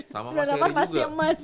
sama masih emas